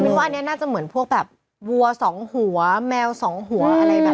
ว่าอันนี้น่าจะเหมือนพวกแบบวัวสองหัวแมวสองหัวอะไรแบบ